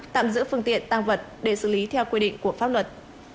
tạm giữ phương tiện tăng vật để xử lý theo quy định của pháp luật